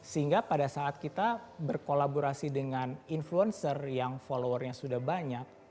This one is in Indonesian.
sehingga pada saat kita berkolaborasi dengan influencer yang followernya sudah banyak